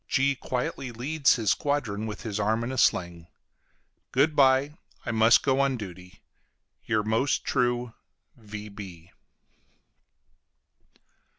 G quietly leads his squadron with his arm in a sling. Good bye, I must go on duty. YOUR MOST TRUE V.